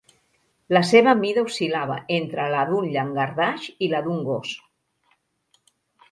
La seva mida oscil·lava entre la d'un llangardaix i la d'un gos.